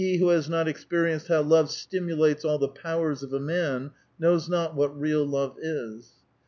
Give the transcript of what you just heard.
who has not experienced how love stimulates all the powers of a man knows not what real love is."